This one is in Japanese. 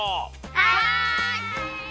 はい！